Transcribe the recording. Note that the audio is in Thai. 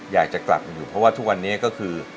อยากจะกลับมาอยู่เพราะว่าทุกวันนี้ก็คือ